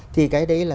thì cái đấy là